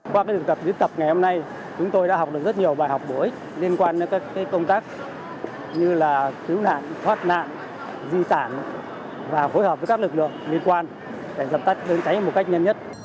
qua cái diễn tập ngày hôm nay chúng tôi đã học được rất nhiều bài học buổi liên quan đến các công tác như là cứu nạn thoát nạn di tản và hối hợp với các lực lượng liên quan để giảm tách đơn cháy một cách nhân nhất